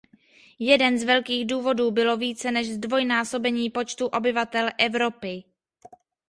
Jeden z velkých důvodů bylo více než zdvojnásobení počtu obyvatel Evropy.